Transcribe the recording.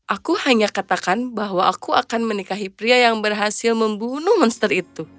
aku hanya katakan bahwa aku akan menikahi pria yang berhasil membunuh monster itu